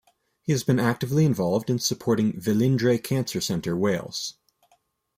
He has been actively involved in supporting Velindre Cancer Centre Wales.